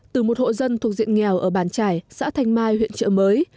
từ một hộ dân thuộc diện nghèo ở bàn trải xã thanh mai huyện trợ mới